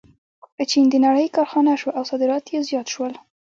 چین د نړۍ کارخانه شوه او صادرات یې زیات شول.